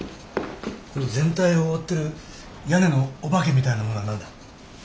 この全体を覆ってる屋根のお化けみたいなものは何だ？